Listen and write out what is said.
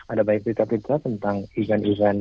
ada banyak pita pita tentang event event